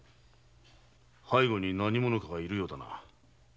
背後に何者かがいるようだな。